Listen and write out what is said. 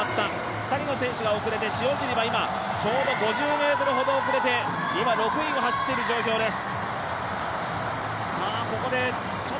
２人の選手が遅れて、塩尻はちょうど５０ｍほど遅れて、今、６位を走っている状況です。